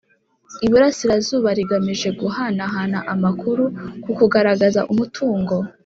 Iburasirazuba rigamije guhanahana amakuru ku kugaruza umutungo